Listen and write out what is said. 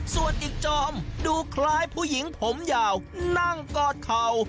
ส่วนอีกจอมดูคล้ายผู้หญิงผมยาวนั่งกอดเข่า